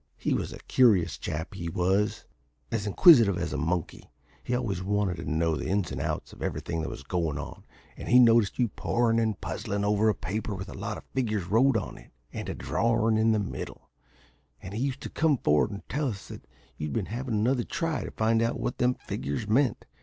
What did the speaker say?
He was a curious chap, he was, as inquisitive as a monkey; he always wanted to know the ins and outs of everything that was goin' on, and he'd noticed you porin' and puzzlin' over a paper with a lot of figures wrote on it, and a drorin' in the middle; and he used to come for'ard and tell us that you'd been havin' another try to find out what them figures meant.